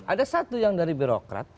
ada satu yang dari birokrat